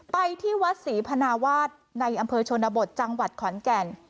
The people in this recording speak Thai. ไปที่วัดศรีพนาวาสในอำเภอชนบทจังหวัดขอนแก่น